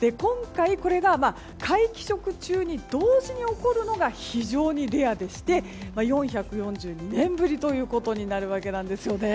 今回、これが皆既食中に同時に起こるのが非常にレアでして４４２年ぶりということになるわけなんですよね。